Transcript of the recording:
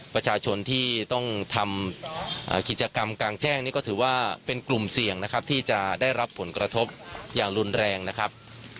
ประชาชนที่ต้องทำกิจกรรมกลางแจ้งนี่ก็ถือว่าเป็นกลุ่มเสี่ยงนะครับที่จะได้รับผลกระทบอย่างรุนแรงนะครับ